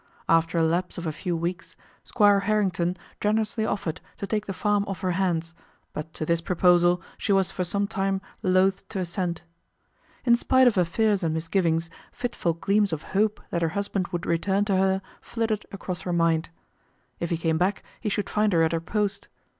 After a lapse of a few weeks Squire Harrington generously offered to take the farm off her hands, but to this proposal she was for some time loath to assent. In spite of her fears and misgivings, fitful gleams of hope that her husband would return to her flitted across her mind. If he came back he should find her at her post.